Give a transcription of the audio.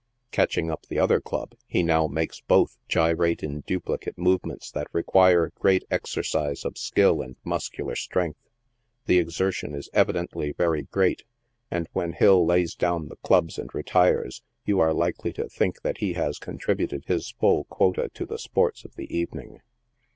Catching up the other club, he now makes both gyrate in duplicate movements that require great exercise of skill and muscular strength. The exertion is evidently very great, and when Hill lays down the clubs and retires, you are likely to think that he has contributed his full quota to the sports of the evening.